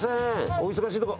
お忙しいところ。